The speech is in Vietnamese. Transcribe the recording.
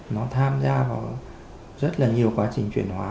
nó tham gia vào rất là nhiều quá trình chuyển hóa